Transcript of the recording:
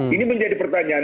ini menjadi pertanyaan